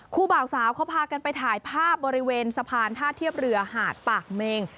บ่าวสาวเขาพากันไปถ่ายภาพบริเวณสะพานท่าเทียบเรือหาดปากเมง